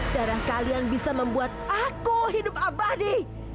darah kalian bisa membuat aku hidup abadi